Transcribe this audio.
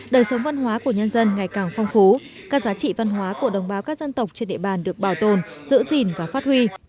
đời sống văn hóa của nhân dân ngày càng phong phú các giá trị văn hóa của đồng bào các dân tộc trên địa bàn được bảo tồn giữ gìn và phát huy